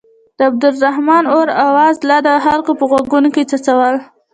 د عبدالرحمن اور اواز لا د خلکو په غوږونو کې څڅول.